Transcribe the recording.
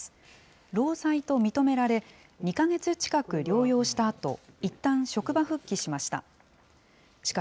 労災と認められ、２か月近く療養したあと、いったん職場復帰しました。